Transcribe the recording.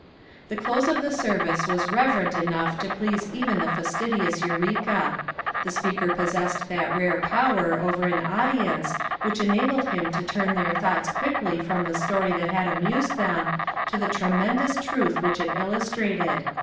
The close of the service was reverent enough to please even the fastidious Enreka. The speaker possessed that rare power over an au dience, which enabled him to turn their thoughts quickly from the story that had amused them, to the tremendous truth which it illustrated.